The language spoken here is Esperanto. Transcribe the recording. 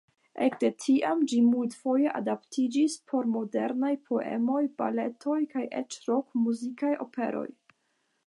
Ekde tiam ĝi multfoje adaptiĝis por modernaj poemoj, baletoj kaj eĉ rok-muzikaj operoj.